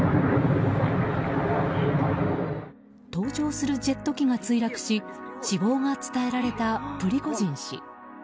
搭乗するジェット機が墜落し死亡が伝えられたプリゴジン氏。